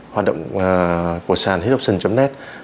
hoạt động của sàn hidroxon net